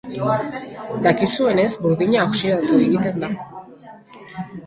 Dakizuenez, burdina oxidatu egiten da.